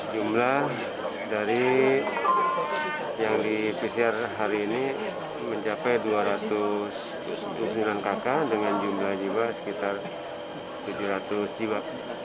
jumlah dari yang di pcr hari ini mencapai dua ratus sembilan kakak dengan jumlah jiwa sekitar tujuh ratus jiwa